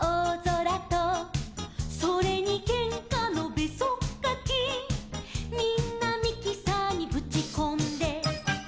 「それにけんかのべそっかき」「みんなミキサーにぶちこんで」